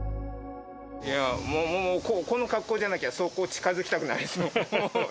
いや、もう、この格好じゃなきゃ、近づきたくないですね。